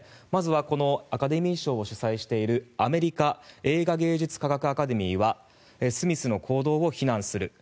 まずはアカデミー賞を主宰しているアメリカ映画芸術科学アカデミーはスミスの行動を非難する。